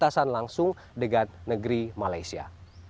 khususnya di kawasan langsung dengan negeri malaysia